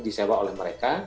di sewa oleh mereka